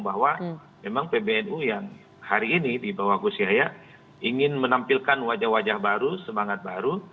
bahwa memang pbnu yang hari ini di bawah gus yahya ingin menampilkan wajah wajah baru semangat baru